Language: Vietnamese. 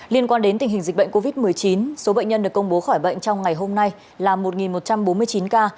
liên quan đến tình hình dịch bệnh covid một mươi chín số bệnh nhân được công bố khỏi bệnh trong ngày hôm nay là một một trăm bốn mươi chín ca